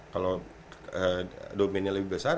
kalau domennya lebih besar